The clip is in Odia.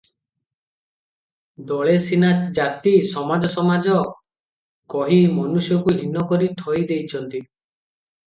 ଦଳେ ସିନା ଜାତି, ସମାଜ ସମାଜ, କହି ମନୁଷ୍ୟକୁ ହୀନ କରି ଥୋଇ ଦେଇଚନ୍ତି